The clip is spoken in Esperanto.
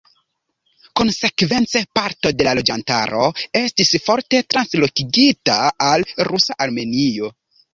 Konsekvence parto de la loĝantaro estis forte translokigita al rusa Armenio.